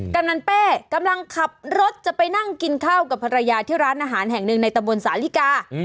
กำนันเป้กำลังขับรถจะไปนั่งกินข้าวกับภรรยาที่ร้านอาหารแห่งหนึ่งในตะบนสาลิกา